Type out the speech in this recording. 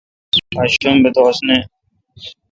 آج شنب دوس نہ۔